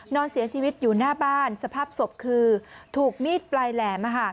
นอนเสียชีวิตอยู่หน้าบ้านสภาพศพคือถูกมีดปลายแหลม